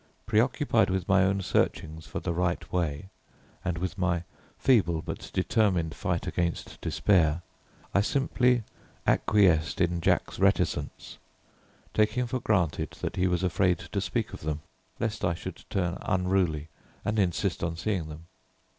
Preoccupied with my own searchings for the right way, and with my feeble but determined fight against despair, I simply acquiesced in Jack's reticence, taking for granted that he was afraid to speak of them, lest I should turn unruly and insist on seeing them.